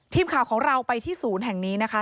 ทีมข่าวของเราไปที่ศูนย์แห่งนี้นะคะ